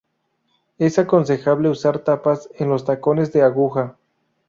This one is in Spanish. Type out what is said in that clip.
Es aconsejable usar tapas en los tacones de aguja.